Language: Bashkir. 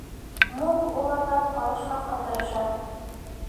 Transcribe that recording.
Мук уларҙан ҡалышмаҫҡа тырыша.